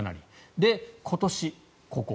で、今年ここ。